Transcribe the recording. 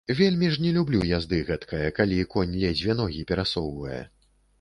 Вельмі ж не люблю язды гэтакае, калі конь ледзьве ногі перасоўвае.